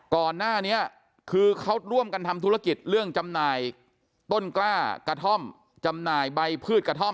ก่อนหน้านี้คือเขาร่วมกันทำธุรกิจเรื่องจำหน่ายต้นกล้ากระท่อมจำหน่ายใบพืชกระท่อม